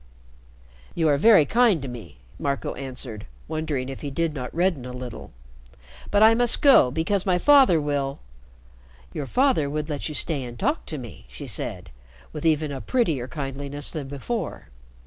"You are very kind to me," Marco answered, wondering if he did not redden a little. "But I must go because my father will " "Your father would let you stay and talk to me," she said, with even a prettier kindliness than before.